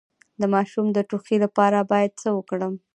د ماشوم د ټوخي لپاره باید څه وکړم؟